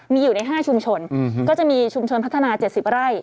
มีอยู่ใน๕ชุมชนก็จะมีชุมชนพัฒนา๗๐ไร่